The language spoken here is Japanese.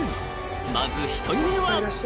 まず１人目は］